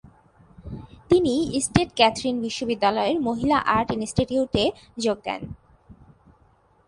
তিনি Saint Catherine বিশ্ববিদ্যালয়ের মহিলা আর্ট ইনস্টিটিউটে যোগ দেন।